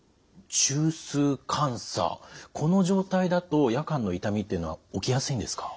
中枢感作この状態だと夜間の痛みっていうのは起きやすいんですか？